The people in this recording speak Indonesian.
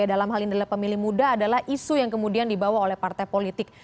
dalam hal ini adalah pemilih muda adalah isu yang kemudian dibawa oleh partai politik